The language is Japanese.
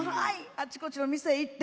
あちこちの店へ行って。